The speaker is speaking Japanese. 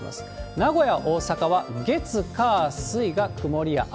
名古屋、大阪は月、火、水が曇りや雨。